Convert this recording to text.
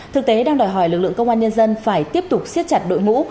thực tế đang đòi hỏi lực lượng công an nhân dân phải tiếp tục siết chặt đội ngũ